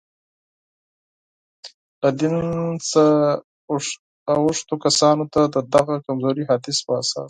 له دین څخه اوښتو کسانو ته، د دغه کمزوري حدیث په اساس.